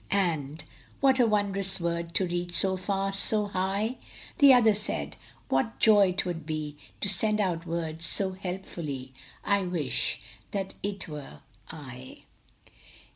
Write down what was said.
And, " What a wondrous word To reach so far, so high !" The other said, " What joy t would be To send out words so helpfully ! I wish that it were I."